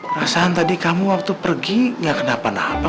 perasaan tadi kamu waktu pergi gak kenapa napa